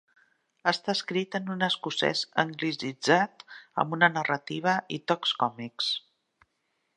Està escrit en un escocès anglicitzat, amb una narrativa i tocs còmics.